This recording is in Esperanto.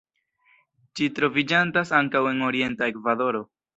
Ĝi troviĝantas ankaŭ en orienta Ekvadoro.